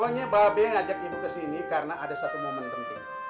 pokoknya mba be ngajak ibu ke sini karena ada satu momen penting